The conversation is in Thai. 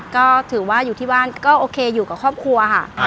ก็ถือว่าอยู่ที่บ้านก็โอเคอยู่กับครอบครัวค่ะ